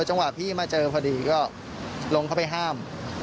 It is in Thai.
จังหวะพี่มาเจอพอดีก็ลงเข้าไปห้าม